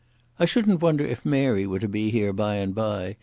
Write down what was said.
"I shouldn't wonder if Mary were to be here by and by.